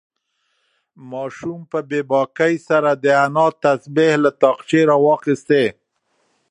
ماشوم په بې باکۍ سره د انا تسبیح له تاقچې راوخیستې.